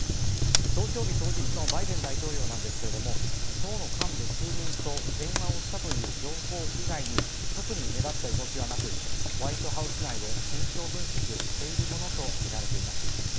投票日当日のバイデン大統領ですが党の幹部数人と電話をしたという情報以外に特に目立った動きはなくホワイトハウス内で戦況分析をしているものとみられています。